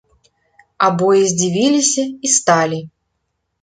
Абое здзівіліся і сталі.